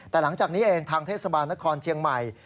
แต่หลังจากนี้เองทางเทศบาลนครเชียงใหม่